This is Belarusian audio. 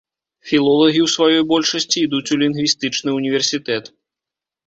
Філолагі ў сваёй большасці ідуць у лінгвістычны ўніверсітэт.